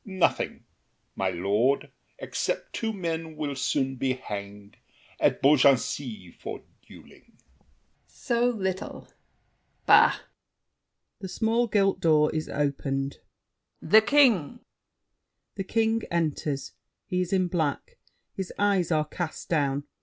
Nothing, My lord, except two men will soon be hanged At Beaugency for dueling. ABBÉ DE GONDI. So little, Bah! [The small gilt door is opened. AN USHER. The King! [The King enters; he is in black, his eyes are cast down.